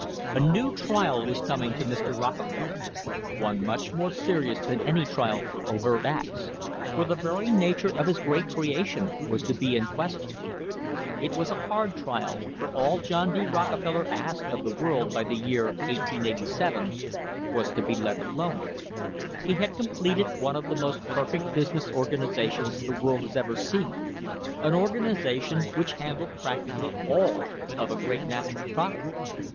A new trial was coming to Mr. Rockefeller, one much more serious than any trial for overt acts, for the very nature of his great creation was to be in question. It was a hard trial, for all John D. Rockefeller asked of the world by the year 1887 was to be let alone. He had com pleted one of the most perfect business organisations the world has ever seen, an organisation which handled prac tically all of a great natural product.